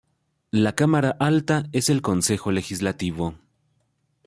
La cámara alta es el Consejo Legislativo.